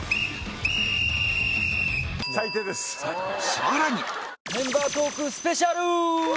さらに